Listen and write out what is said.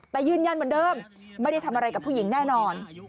แต่ยืนยันเหมือนเดิมไม่ได้ทำอะไรกับผู้หญิงแน่นอน